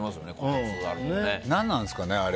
何なんですかね、あれ。